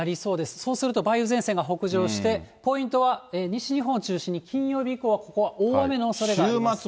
そうすると梅雨前線が北上して、ポイントは西日本を中心に、金曜日以降は、ここは大雨のおそれがあります。